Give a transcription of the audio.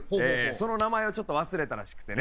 その名前をちょっと忘れたらしくてね。